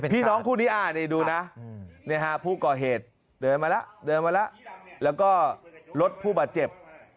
พี่น้องคู่นี้นี่ดูนะผู้ก่อเหตุเดินมาแล้วเดินมาแล้วแล้วก็รถผู้บาดเจ็บ